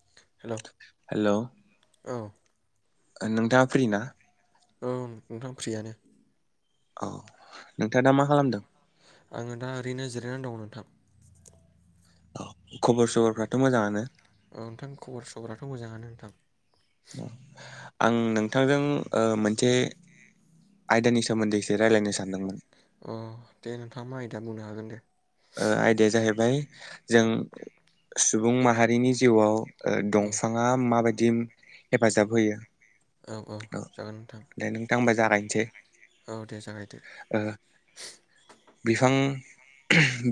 [unintelligible] Hello अ ओ नोंथाङा फ्रि ना? ओम नोंथां फ्रियानो। अ नोंथाङा दा मा खालामदों? आङो दा ओरैनो जिरायनानै दं नोंथां। अ खबर सबरफ्राथ' मोजाङानो औ नोंथां खबर सबर आथ' मोजाङानो नोंथां। अ आं नोंथांजों ओ मोनसे आयदानि सोमोन्दै एसे रायलायनो सानदोंमोन। अ दे नोंथाङा मा आयदा बुंनो हागोन दे आयदाया जाहैबाय जों सुबुं माहारिनि जिउआव औ दंफाङा माबायदि दिम हेफाजाब होयो औ औ जागोन नोंथां जांबबाय जागायनोसै औ दे जागायदो ओ बिफां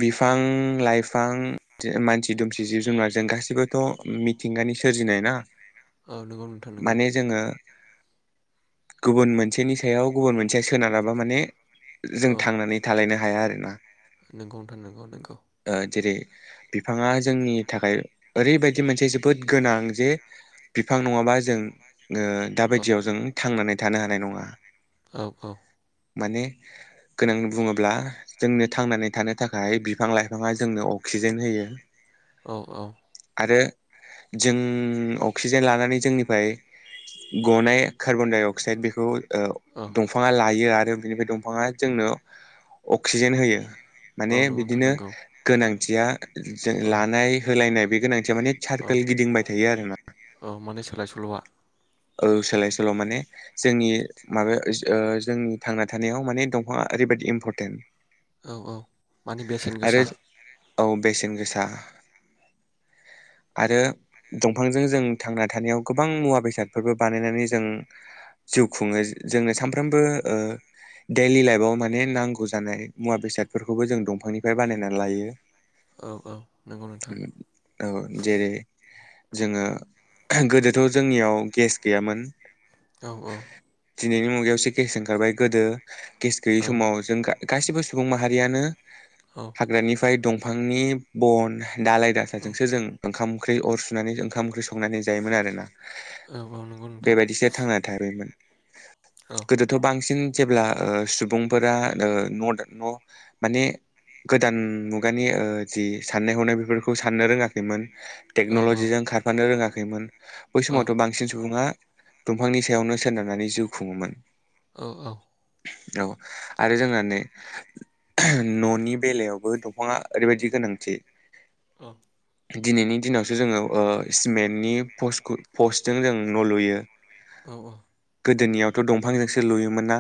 बिफां लाइफां मानसि दुमसि जिब जुनारजों गाैबोथ' मिथिंगानि सोरजिनाय ना औ नोंगौ नोंथां नोंगौ माने जोङो गुबुन मोनसेनि सायाव गुबुन मोनसेया सोनारबा माने जों औ थांनानै थालायनो हाया आरोना नोंगौ नंगौ ओ जेरै बिफाङा जोंनि थाखाय ओरैबायदि मोनसे जोबोद गोनां जे बिफां नङाबा जों दा औ बायदियाव जों थांनानै थानो हानाय नङा औ औ माने गोनां बुङोब्ला जोंनो थांनानै थानो थाखाय बिफां लाइफाङा जोंनो अक्सिजेन होयो औ औ आरो जों अक्सिजेन लानानै जोंनिफ्राय गनाय कार्बनडाइ अक्साइद बेखौ औ दंफाङा लायो आरो बिनिफ्राय दंफाङा जोंनो अक्सिजेन होयो। औ माने नंगौ नोंथां बिदिनो नंगौ गोनांथिया जों औ लानाय होलायनाय बे गोनांथिया माने औ सारकोल गिदिंबाय थायो आरो ना औ माने सोलाय सोल'आ औ सोलाय सोल' माने जोंनि माबायाव जोंनि थांना थानायाव माने दंफाङा ओरैबायाददि इम्परटेन्ट औ औ मानिे बेसेन आरो गोसा औ बेसेन गोसा आरो दंफांजों जों थांना थानायाव गोबां मुवा बेसाद बे फोरबो बानायनानै जों जिउ खुङो जोंनो सामफ्रामबो दैडलि लाइफआव माने नांगौ जानाय मुवा बेसादफोरखौबो जों दंफांनिफ्राय बानायनानै लायो औ औ नंगौ नोंथां औ जेरै जोङो गोदोथ' जोंनियाव गेस गैयामोन औ औ दिनैनि मुगायावसो गेस ओंखारबाय गोदो गेस गैयै औ समाव जों गाैबो सुबुं माहारियानो औ हाग्रानिफ्राय दंफांनि बन दालाय औ दासाजोंसो जों ओंखाम ओंख्रि अर सुनानै ओंखाम ओंख्रि संनानै जायोमोन आरोना औ औ नंगौ नोंथां बेबायदिसो थांना थाबायमोन औ गोदोथ' बांसिन जेब्ला सुबुंफोरा न न' माने गोदान मुगानि जि साननाय हनाय बेफोरखौ साननो रोङाखैमोन औ टेक्न'लजिजों खारफानो रोङाखैमोन बै औ समावथ' बांसिन बांसिन सुबुङा दंफांनि सायावनो सोनारनानै जिउ खुङोमोन औ औ आरो जोंना नै न'नि बेलायावबो दंफाङा ओरैबायदि गोनांथि औ दिनैनि दिनावसो जोङो सिमेन्टनि पस्ट जों जों न' लुयो औ औ गोदोनियावथ' दंफांजोंसो लुयोमोन ना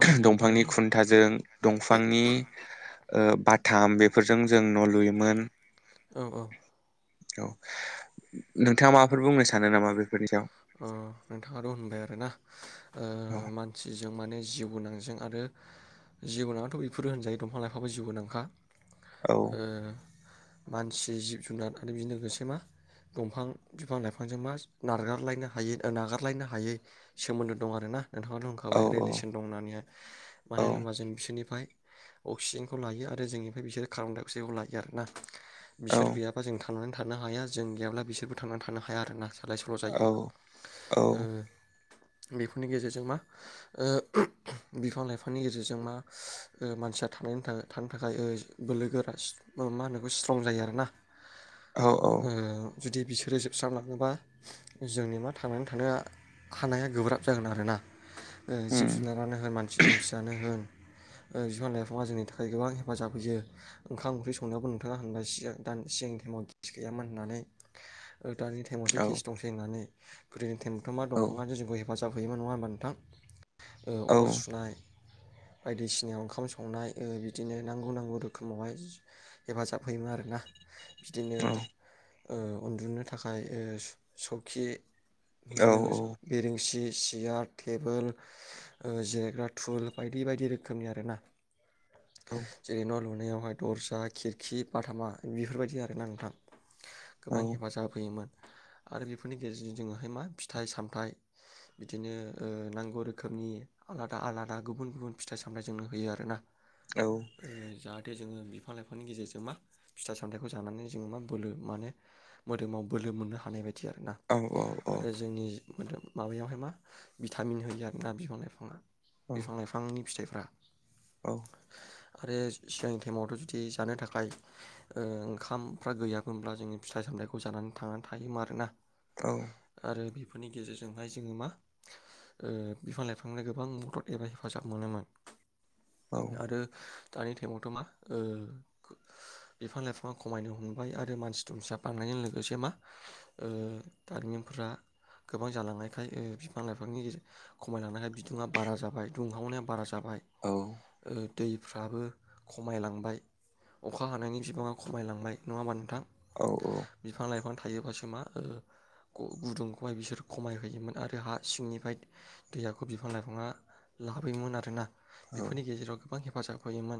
औ नंगौ नोंथां दंफांनि नंगौ खुन्थाजों दंफांनि बाथाम बेफोरजों जों न' लुयोमोन औ औ औ नोंथाङा माबाफोर बुंनो सानो नामा बेफोरनि सायाव अ नोंथाङाथ' होनबाय आरोना ओ औ मानसिजों माने जिउ गोनांजों आरो जिउ गोनांथ' बेफोरो होनजायो दंफां लाइफाबो जिउ गोनांखा औ ओ मानसि जिब जुनार आरो बेजों लोगोसे मा दंफां बिफां लाइफांजों मा नारगारलायनो हायै ओ नागारलायनो हायै सोमोन्दो दं आरोना नोंथाङाथ' होनखाबाय रिलिसन दं होननानैहाय औ मानो होनोबा जों बिसोरनिफ्राय अक्सिजेनखौ लायो आरो जोंनिफ्राय बिसोरो कार्बन डाइ अक्साइडखौ लायो आरो ना। औ बिसोर गैयाबा जों थां नानै थानो हाया जों गैयाब्ला बिसोरबो थांनानै थानो हाया आरोना सोलाय सोल' औ जायो ओ बेफोरनि गेजेरजों मा ओ बिफां लाइफांनि गेजेरजों मा ओ मानसिया थांनानै था थानो थाखाय बोलो गोरा मा होनोखौ स्ट्रं जायो आरो ना औ औ जुदि बिसोरो जोबस्रांलाङोबा जोंनि मा थांनानै थानाया हानाया गोब्राब जागोन आरोना ओ जिब उम जुनारानो होन मानसि दुमसियानो होन ओ बिफां लाइफाङा जोंनि थाखाय गोबां हेफाजाब होयो ओंखाम ओंख्रि संनायावबो नोंथाङा होनबाय सिगां दान सिगां टाइमाव [unintelligible] गैयामोन होननानै। ओ दानि टाइमावसो औ गेस दंसै होननानै गोदोनि थायेम [unintelligible] औ दंफाङानो जौखौ हे हेफाजाब होयोमोन नङा होनबा नों थां औ ओ अर सुनाय बायदिसिनायाव ओंखाम संनाय ओ बिदिनो नांगौ नांगौ रोखोमावहाय हेफाजाब होयोमोन आरोना बिदिनो ओ उन्दुनो थाखाय ओ स सखि औ बिदिनो बेरेंसि सेयार्ट टेबोल ओ जिरायग्रा थुल बायदि बायदि रोखोमनि आरोना औ जेरै न लु लुनायावहाय दरजा खिरखि बाथामा बेफोरबायदि आरोना नोंथां गोबां हेफाजाब होयोमोन आरो बेफोरनि गेजेरजों जोङोहाय मा फिथाइ सामथाइ बिदिनो ओ नांगौ रोखोमनि आलादा आलादा गुबुन गुबुन फिथाइ सामथाइ जोंनो होयो आरोना ओ जाहाथे जोङो बिफां लाइफांनि गेजेरजों मा फिथाइ सामथाइखौ जानानै जोङो मा बोलो माने मोदोमाव बोलो मोननो हानाय बाय दि आरोना औ औ औ आरो जोंनि मोदोम माबायावहाय मा भिटामिन होयो आरोना बिफां लाइफाङा। बिफां लाइफांनि फिथाइ [inaudible] औ। आरो सिगांनि टाइमावथ' जुदि जानो थाखाय ओ ओंखामफ्रा गैयामोनब्ला जोंङो फिथाइ सामथाइखौ जानानै थांनानै थायोमा आरोना। जाबायदि आरो बि बेफोरनि गेजेरजोंहाय जोङो मा ओ बिफां लाइफांनो गोबां मदद एबा हेफाजाब मोनोमोन। आरो दानि टाइमावथ' मा ओ बिफां लाइफाङा खमायनो हमबाय आरो मानसि दुमसिया बांनायजों लोगोसे मा, दारिमिनफोरा गोबां जालांनायखाय बिफां लाइफांनि गेजे खमायलांनाय बिदुङा बारा जाबाय दुंहावनाया बारा जाबाय। ओ दैफ्राबो खमायलांबाय अखा हानायनि बिबाङा खमायलांबाय नङा होमबा नोंथां? औ औ। बिफां लाइफां थायोबासो मा ओ ग-गुदुंखौहाय बिसोर खमायहैयोमोन आरो हा सिंनिफाय दैयाखौ बिफां लाइफाङा लाबोयोमोन आरोना। बेफोरनि गेजेराव गोबां हेफाजाब होयोमोन।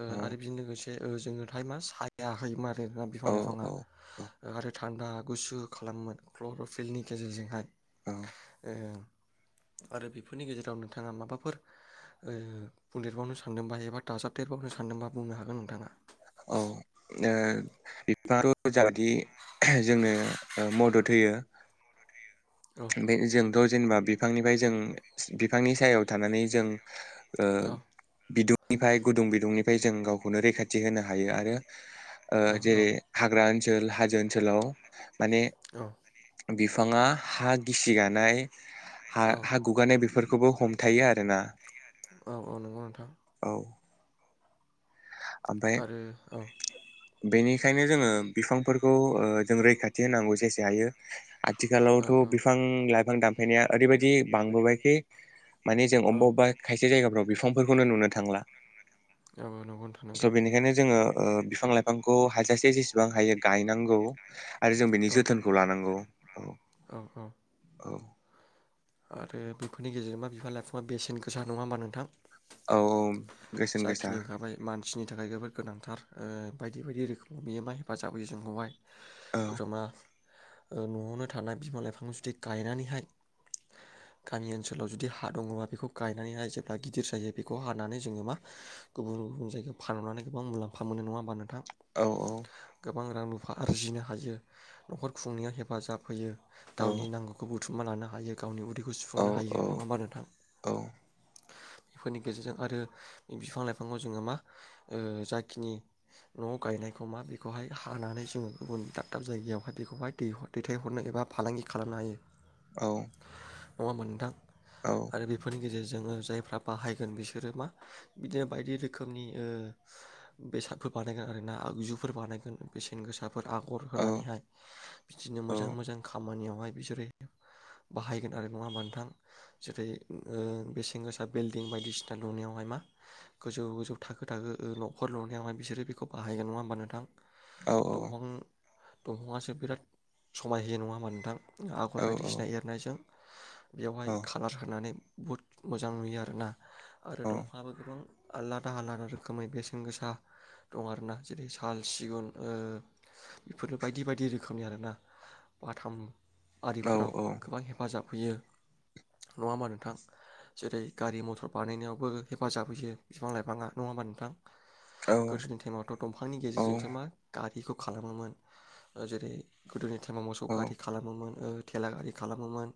ओ आरो बिजों लोगोसे ओ जोंनो थाइ मा साया होयोमार बिफां लाइफाङा। ओ आरो था थान्दा गुसु खालामोमोन क्लर'फिलनि गेजेरजोंहाय। औ। ओं। आरो बेफोरनि गेजेराव नोंथाङा माबाफोर बुंदेरबावनो सानदोंबा एबा दाजाबदेरबावनो सानदोंबा बुंनो हागोन नोंथाङा। औ। ओ बिफाङाथ' जाबादि जोंनो मदद होयो। औ बे जोंथ' जेनेबा बिफांनिफाय जों बिफांनि सायाव थानानै जों ओ औ बिदुं निफाय गुदुं बिदुंनिफाय जों गावखौनो रैखा थि होनो हायो आरो औ ओ औ जेरै हाग्रा ओन सोल हाजो ओनसोलाव माने औ बि फाङा हा गिसिगानाय हा औ हा गुगानाय बेफोर खौबो हमथायो आरोना। औ औ नंगौ नोंथां औ ओमफ्राय आरो औ बेनिखायनो जोङो बिफांफोरखौ ओ जों रैखाथि होनांगौ जेसे हायो। औ आथिखालावथ' बिफां लाइफां दा बेनिया ओरैबायाददि बांबोबायखि मानि जों औ अबा अबा खायसे जायगफ्राव बिफांफोरखौनो नुनो थांला औ स' बेनिखायनो जोङो ओ बिफां लाइफांखौ हाजासे जेसेबां हायो गायनांगौ आरो जों बेनि औ जोथोनखौ लानांगौ औ औ आरो बेफोरनि गेजेरजोंबा बिफां लाइफाङा बेसेन गोसा नङा होमबा नोंथां औ बेसेन गोसा जाखिनि ओंखारबाय मानसिनि थाखाय जोबोर गोनांथार ओ बायदि बायदि रोखोमाव मा हेफाजाब होयो जोंखौहाय औ जमा ओ न'आवनो थानाय बिमा लाइफां जुदि गायनानैहाय गामि ओनसोलाव जुदि हा दङबा बेखौ गायनानैहाय जेब्ला गिदिर जायो बेखौ हानानै जोङो मा गुबुन गुबुन जायगायाव फानहरनानै गोबां मुलाम्फ मोनो नङा होमबा नोंथां औ औ गोबां रां रुफा आरजिनो हायो न'खर खुंनायाव हेफाजाब होयो औ गावनि नांगौखौ बु थुुमना लानो हायो गावनि उदै औ सुफुंनो हायो नङा होमबा नोंथां औ बेफोरनि गेजेरजों आरो बिफां लाइफांखौ जोङो मा ओ जाखिनि न'आव गायनायखौ मा बेखौहाय हानानै जोङो गुबुन दाब दाब जायगायावहाय बेखौहाय दै-दैथायहरनो एबा फालांगि खालामनो हायो औ नङा होनबा नोंथां औ आरो बेफोरनि गेजेरज जोंनो जायफ्रा बाहायगोन बिसोरो मा बिदिनो बायदि रोखोमनि ओ बेसादफोर बानायगोन आरोना आगजुफोर बानायगोन बेसेन गोसा फोर आगर होनानैहाय बिदिनो औ मोजां मोजां खामानियाव बहाय बिसोरो बाहायगोन आरो नङा होमबा नोंथां जेरै बेसेन गोसा बिल्डिं बायदिसिना लुनायावहाय मा गोजौ गोजौ थाखो थाखो न'खर लुनायावहाय बिसोरो बेखौ बाहायगोन नङा होमबा नोंथां औ दंफां दंफाङासो बिराद समाय होयो नङाहोमबा नोंथां आगर औ बायदिसिना एर नों बेवहाय खालार होनानै बहुत मोजां नुयो आरोना। आरो दंफांआबो गोबां। आलादा आलादा रोखोमै बेसेन गोसा दं आरोना जेरै साल सिगुन ओ बेफोरबो बायदि बायदि रोखोमनि आरोना बाथाम आरिफोराव हेफाजाब होयो नङा होनबा नोंथां जेरै गारि मथर बानायनायावबो हेफाजाब होयो बिफां लाइफाङा नङा होमबा नोंथां। औ गोदोनि टाइमावथ' दंफांनि औ गेजेरजोंसो मा गारि खौ खालामोमोन जेरै गोदोनि टाइमाव मोसो औ गारि खालामोमोन टेला गारि खालामोमोनो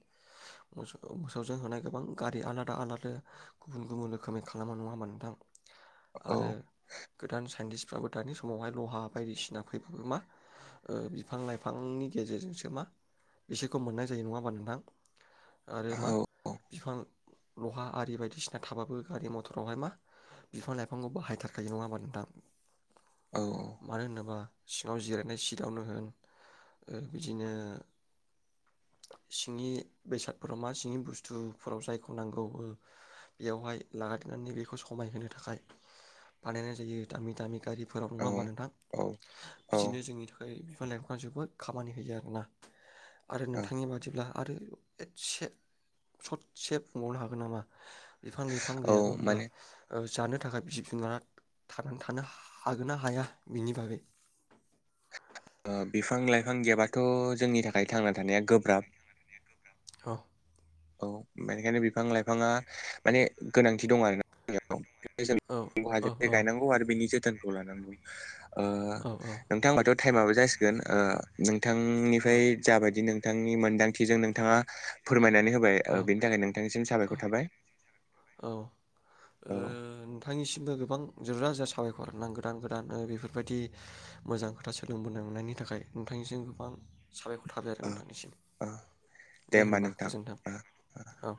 मोसौजों होनाय गोबां गारि आलादा आलादा गुबुन गुबुन रोखोमै खालामो नङा होनबा नोंथां। औ आरो गोदान साइन्टिस फ्राबो दानि समावहाय लहा बायदिसिना फैबाबो मा बिफां लाइफांनि गेजेरजोंसो मा बिसोरखौ मोननाय जायो नङा होनबा नोंथां। आरो मा बिफां लहा आरि बायदिसिना थाबाबो गारि मथरावहाय मा बिफां लाइफांखौ बाहायथारखायो नङा होमबा नोंथां। औ मानो होनोबा सिङाव जिरायनाय सिटावनो होन बिदिनो सिंनि बेसादफोराव मा सिंनि बुस्थुफोराव जायखौ नांगौ बेयावहाय लागायनानै बेखौ समायहोनो थाखाय बानायनाय जायो दामि दामि गारि फोराव औ नङा होमबा नोंथां औ औ बिदिनो जोंनि थाखाय बिफां लाइ बिफांआ जोबो खामानि होयो आरोना। आरो औ नोंथांनि बादिब्ला आरो एसे ससे बुंबावनो हागोन नामा। बिफां लाइफां औ गैयाबोब्ला माने जानो थाखाय जिब जुनारा थांनानै थानो हागोन ना हाया बिनि बागै ओ बिफां लाइफां गैयाबाथ' जोंनि थाखाय थांना थानाया गोब्राब औ। औ बेनिखायनो बिफां लाइफाङा माने गोनांथि दं आरो ना। औ औ जों औ गायनांगौ आरो बेनि ज बिथोनखौ लानांगौ ओ औ नोंथां टाइमाबो जासिगोन ओ औ बिथांनिफ्राय जा बायदि नों। नोंथांनि मोनदांथिजों नोंथाङा फोरमायनानै हो। औ औ औ ओ औ नोंथांनिसिमबो गोबां जा जाारसि [inaudible] साबायखर गोदान गोदान बेफोरबायदि मोजां खोथा सोलोंबोनो मोननायनि थाखाय नोंथांनिसिम गोबां। साबायखर थाबाय आरो ओ नोंथांनिसिम ओ दे होमबा होनबा नोंथां गोजोन्थों ओ ओ औ